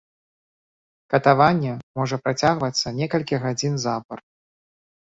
Катаванне можа працягвацца некалькі гадзін запар.